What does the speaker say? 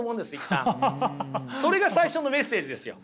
それが最初のメッセージですよ。